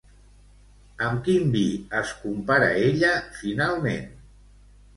Amb quin vi es compara ella finalment?